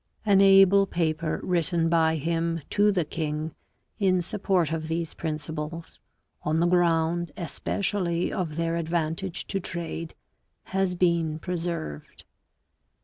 An able paper written by him to the king in support of these principles, on the ground especially of their advantage to trade, has been preserved.